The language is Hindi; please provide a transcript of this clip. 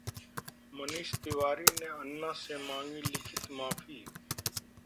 मनीष तिवारी ने अन्ना से मांगी लिखित माफी